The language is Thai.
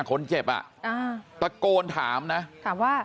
คนเจ็บอ่ะอ่าตะโกนถามนะถามว่า